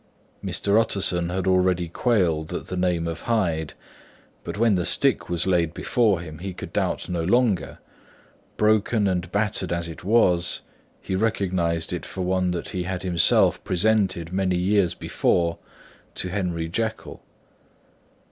Mr. Utterson had already quailed at the name of Hyde; but when the stick was laid before him, he could doubt no longer; broken and battered as it was, he recognised it for one that he had himself presented many years before to Henry Jekyll.